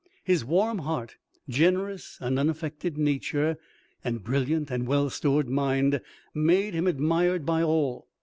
His warm heart, generous and unaffected nature, and brilliant and well stored mind made him admired by all.